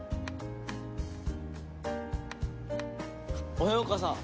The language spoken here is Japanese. おはよう母さん。